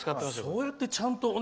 そうやって、ちゃんと。